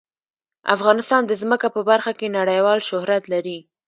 افغانستان د ځمکه په برخه کې نړیوال شهرت لري.